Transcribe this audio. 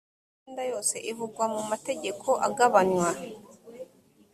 imyenda yose ivugwa mu mategeko agabanywa